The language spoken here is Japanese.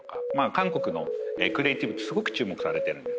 韓国のクリエイティブってすごく注目されてるんです